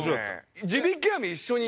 地引き網一緒に。